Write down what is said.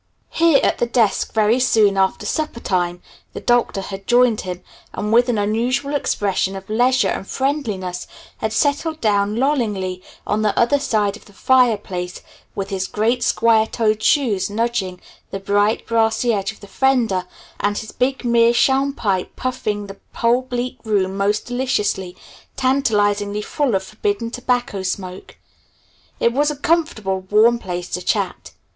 Here at the desk very soon after supper time the Doctor had joined him, and with an unusual expression of leisure and friendliness had settled down lollingly on the other side of the fireplace with his great square toed shoes nudging the bright, brassy edge of the fender, and his big meerschaum pipe puffing the whole bleak room most deliciously, tantalizingly full of forbidden tobacco smoke. It was a comfortable, warm place to chat.